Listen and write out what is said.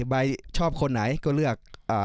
ใบชอบคนไหนก็เลือก